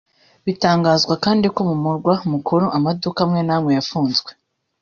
Bitangazwa kandi ko mu murwa mukuru amaduka amwe n’amwe yafunzwe